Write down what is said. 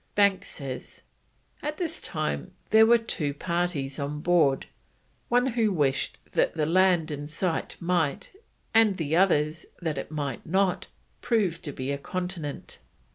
Banks says: "At this time there were two parties on board, one who wished that the land in sight might, and the others that it might not, prove to be a continent.